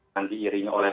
nanti iring oleh